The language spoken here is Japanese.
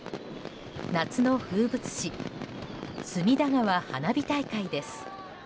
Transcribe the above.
夏の風物詩隅田川花火大会です。